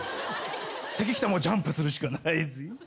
敵来たらもうジャンプするしかないぜ。